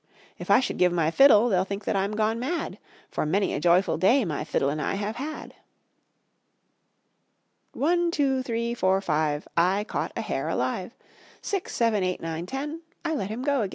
"If I should give my fiddle They'll think that I'm gone mad, For many a joyful day My fiddle and I have had." One, two, three, four, five, I caught a hare alive; Six, seven, eight, nine, ten, I let him go again.